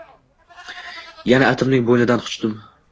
Yana itimning bo`ynidan quchdim